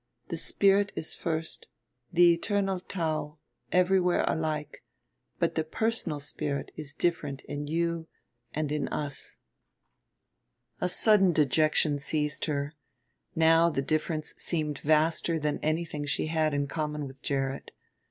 The spirit is first, the eternal Tao, everywhere alike, but the personal spirit is different in you and in us." A sudden dejection seized her now the difference seemed vaster than anything she had in common with Gerrit.